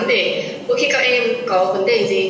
thì tôi rất là cố gắng để mỗi khi các em có vấn đề gì